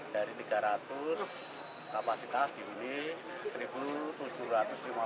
dari tiga ratus kapasitas di sini seribu tujuh ratus lima puluh an